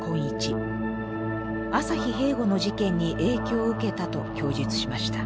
朝日平吾の事件に影響を受けたと供述しました。